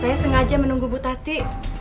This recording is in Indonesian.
saya sengaja menunggu bu tati